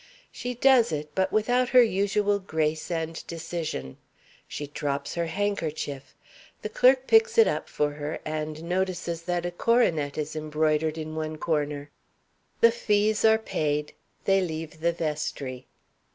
She does it, but without her usual grace and decision. She drops her handkerchief. The clerk picks it up for her, and notices that a coronet is embroidered in one corner. The fees are paid. They leave the vestry.